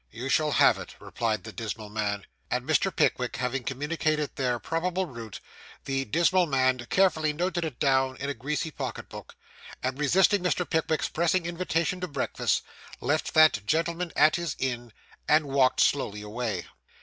'You shall have it,' replied the dismal man. 'Your address;' and, Mr. Pickwick having communicated their probable route, the dismal man carefully noted it down in a greasy pocket book, and, resisting Mr. Pickwick's pressing invitation to breakfast, left that gentleman at his inn, and walked slowly away.